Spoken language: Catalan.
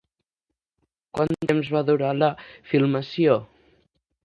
Quant temps va durar la filmació?